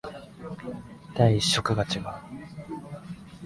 第一色が違う